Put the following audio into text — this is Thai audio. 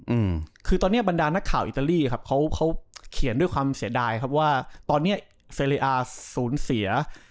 อืมคือตอนเนี้ยบรรดานักข่าวอิตาลีครับเขาเขาเขียนด้วยความเสียดายครับว่าตอนเนี้ยเซเลอาศูนย์เสีย